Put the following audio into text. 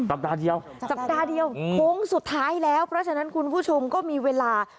สัปดาห์เดียวคงสุดท้ายแล้วเพราะฉะนั้นคุณผู้ชมก็มีเวลา